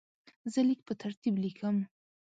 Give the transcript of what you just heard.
زه لیک په ترتیب لیکم.